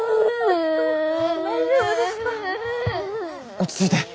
落ち着いて。